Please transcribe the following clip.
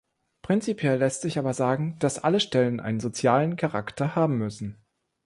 Prinzipiell lässt sich aber sagen, dass alle Stellen einen sozialen Charakter haben müssen.